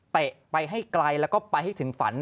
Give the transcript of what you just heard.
ไปให้ไกลแล้วก็ไปให้ถึงฝัน